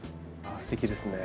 あすてきですね。